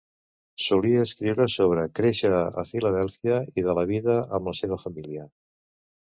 Solia escriure sobre créixer a Filadèlfia, i de la vida amb la seva família.